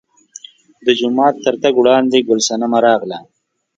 د جومات تر تګ وړاندې ګل صنمه راغله.